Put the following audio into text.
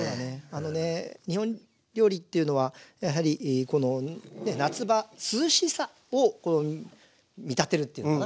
あのね日本料理っていうのはやはりこの夏場涼しさを見立てるというのかな